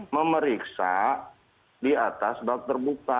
memeriksa di atas bak terbuka